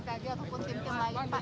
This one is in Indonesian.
pak abnesti pak